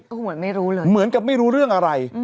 ก็เหมือนไม่รู้เลยเหมือนกับไม่รู้เรื่องอะไร